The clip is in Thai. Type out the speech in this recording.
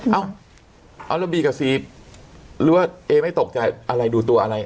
เอาเอาระบีกับซีหรือว่าเอไม่ตกใจอะไรดูตัวอะไร